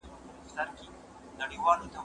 زه اوږده وخت کتابونه وړم وم،